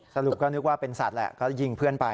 สรุปก็นึกว่าเป็นสัตว์แหละก็ยิงเพื่อนไป